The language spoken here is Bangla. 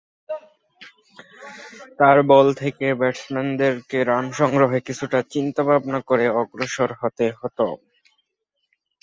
তার বল থেকে ব্যাটসম্যানদেরকে রান সংগ্রহে কিছুটা চিন্তা-ভাবনা করে অগ্রসর হতে হতো।